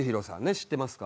知ってますか？